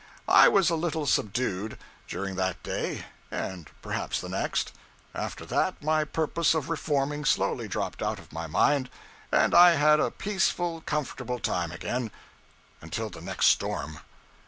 I was a little subdued, during that day, and perhaps the next; after that, my purpose of reforming slowly dropped out of my mind, and I had a peaceful, comfortable time again, until the next storm.